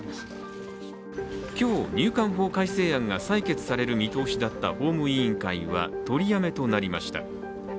今日、入管法改正案が採決される見通しだった法務委員会は取りやめとなりました。